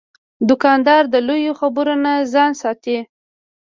دوکاندار د لویو خبرو نه ځان ساتي.